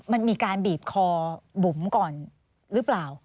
มันมีการบีบคอบุ๋มก่อนหรือเปล่า